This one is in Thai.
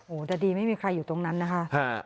โอ้โหแต่ดีไม่มีใครอยู่ตรงนั้นนะคะ